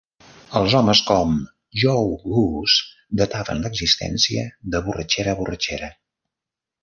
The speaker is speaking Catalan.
Els homes com Joe Goose dataven l'existència de borratxera a borratxera.